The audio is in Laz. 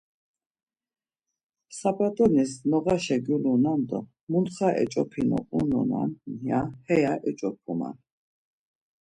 Sap̌at̆onis noğaşa gyulunan do muntxa eç̌opinu unonan heya eç̌opuman.